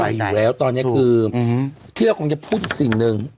มันต้องใส่อยู่แล้วตอนนี้คือที่เราคงจะพูดสิ่งหนึ่ง